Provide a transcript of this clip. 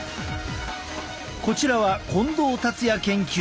こちらは近藤辰哉研究員。